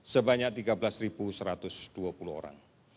sebanyak tiga belas satu ratus dua puluh orang